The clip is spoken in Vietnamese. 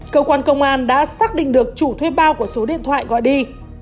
cơ quan công an đã xác định được chủ thuê bao của số điện thoại gọi đi